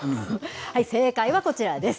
正解はこちらです。